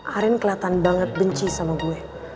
arian keliatan banget benci sama gue